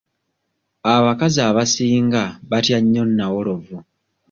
Aabakazi abasinga batya nnyo nnawolovu.